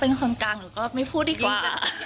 เป็นคนกลางหนูก็ไม่พูดดีกว่า